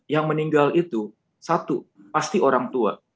yang meninggal itu satu pasti orang tua